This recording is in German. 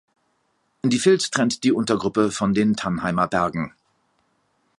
Die Vils trennt die Untergruppe von den Tannheimer Bergen.